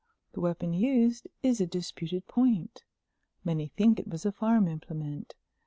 The weapon used is a disputed point. Many think it was a farm implement.